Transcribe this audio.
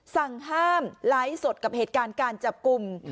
สั่งห้ามไลฟ์สดกับเหตุการณ์การจับกลุ่ม